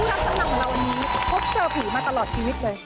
รับจำนำของเราวันนี้พบเจอผีมาตลอดชีวิตเลย